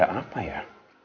ada apa ya